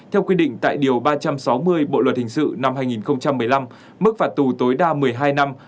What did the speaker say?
theo quy định tại điều ba trăm sáu mươi bộ luật hình sự năm hai nghìn một mươi năm mức phạt tù tối đa một mươi hai năm